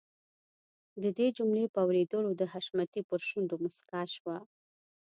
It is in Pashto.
د دې جملې په اورېدلو د حشمتي په شونډو مسکا شوه.